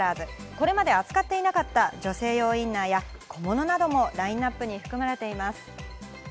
これまで扱っていなかった女性用インナーや、小物などもラインナップに含まれています。